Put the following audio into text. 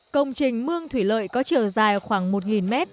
công trình mương thủy lợi có chiều dài khoảng một m